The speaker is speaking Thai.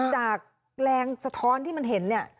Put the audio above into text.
จากแรงสะท้อนที่มันเห็น